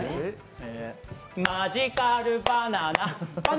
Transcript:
マジカルバナナ！